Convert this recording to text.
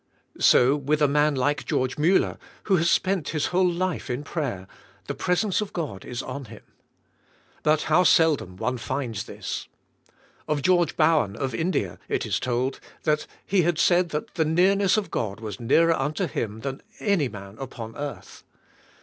So, with a man like Geo. Muller, who has spent his whole life in prayer, the presence of God is on him. But how seldom one finds this. Of George Bowen, CHRIST BRINGING US TO GOD. 13^ of India, it is told, that he had said that the near ness of God was nearer unto him than any man upon earth.